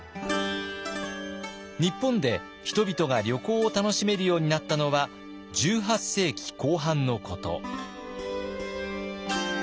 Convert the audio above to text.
日本で人々が旅行を楽しめるようになったのは１８世紀後半のこと。